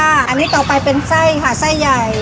อันนี้ต่อไปเป็นไส้ค่ะไส้ใหญ่